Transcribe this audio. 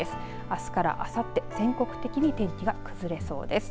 あすからあさって全国的に天気が崩れそうです。